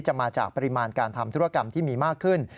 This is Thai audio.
มาจากปริมาณการทำธุรกรรมที่มีมากขึ้น